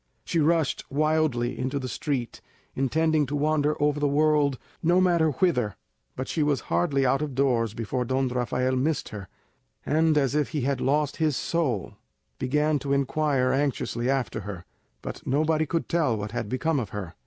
She rushed wildly into the street, intending to wander over the world, no matter whither; but she was hardly out of doors before Don Rafael missed her, and, as if he had lost his soul, began to inquire anxiously after her; but nobody could tell what had become of her.